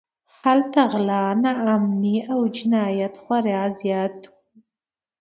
هلته غلا، ناامنۍ او جنایت خورا زیات و.